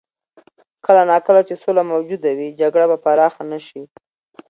کله نا کله چې سوله موجوده وي، جګړه به پراخه نه شي.